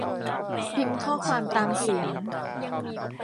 พิมพ์ข้อความตามเสียง